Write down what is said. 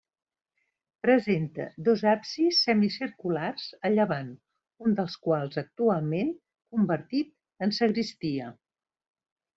Presenta dos absis semicirculars a llevant, un dels quals actualment convertit en sagristia.